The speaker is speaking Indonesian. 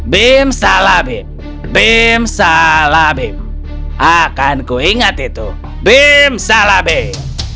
bim salah bim bim salah bim akanku ingat itu bim salah bim